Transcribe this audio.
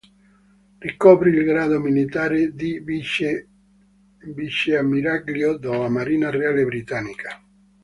Ricopre il grado militare di viceammiraglio della Marina Reale Britannica.